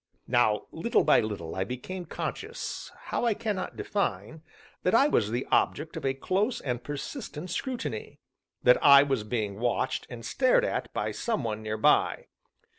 Now, little by little, I became conscious (how, I cannot define) that I was the object of a close and persistent scrutiny that I was being watched and stared at by some one near by.